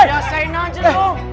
eh biar saya naik aja dong